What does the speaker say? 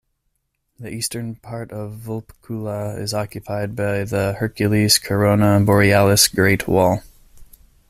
The eastern part of Vulpecula is occupied by the Hercules-Corona Borealis Great Wall.